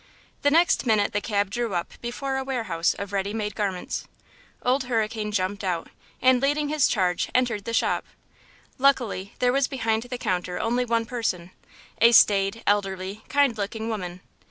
The next minute the cab drew up before a warehouse of ready made garments. Old Hurricane jumped out, and, leading his charge, entered the shop. Luckily, there was behind the counter only one person–a staid, elderly, kind looking woman.